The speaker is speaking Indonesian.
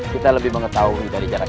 kita makin jauhani dari jarak